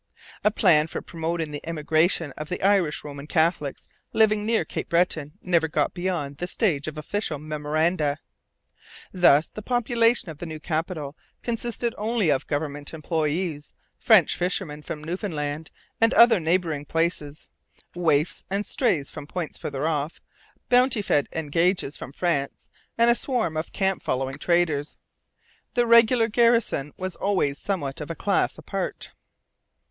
A plan for promoting the immigration of the Irish Roman Catholics living near Cape Breton never got beyond the stage of official memoranda. Thus the population of the new capital consisted only of government employees, French fishermen from Newfoundland and other neighbouring places, waifs and strays from points farther off, bounty fed engages from France, and a swarm of camp following traders. The regular garrison was always somewhat of a class apart.